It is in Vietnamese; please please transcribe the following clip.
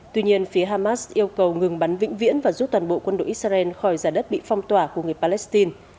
tuy nhiên phía hamas yêu cầu ngừng bắn vĩnh viễn và giúp toàn bộ quân đội israel khỏi giả đất bị phong tỏa của người palestine